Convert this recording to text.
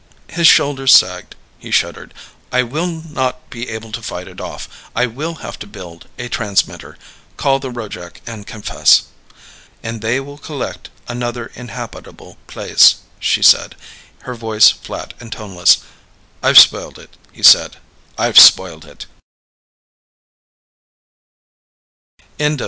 His shoulders sagged. He shuddered. "I will not be able to fight it off. I will have to build a transmitter, call the Rojac and confess!" "And they will collect another inhabitable place," she said, her voice flat and toneless. "I've spoiled it," he said. "I've spoiled it!"